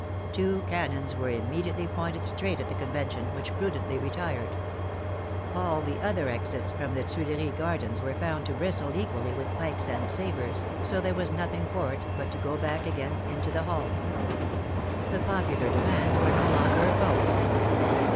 Two cannons were immediately pointed straight at the Convention, which prudently retired. All the other exits from the Tuileries Gardens were found to bristle equally with pikes and sabres, so there was nothing for it but to go back again into the hall. The popular demands were no longer opposed.